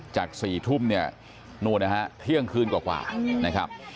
จาก๔ทุ่มเที่ยงคืนกว่านะครับ